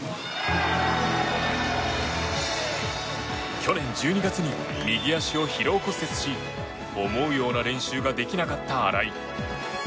去年１２月に右足を疲労骨折し思うような練習ができなかった荒井。